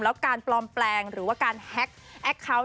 แล้วการปลอมแปลงหรือว่าการแอคเคาน์